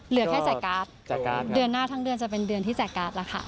เหลือแค่แจกการ์ดเดือนหน้าทั้งเดือนจะเป็นเดือนที่แจกการ์ดแล้วค่ะ